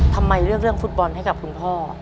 ทำไมเลือกเรื่องฟุตบอลให้กับคุณพ่อ